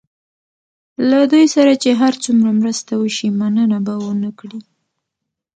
له دوی سره چې هر څومره مرسته وشي مننه به ونه کړي.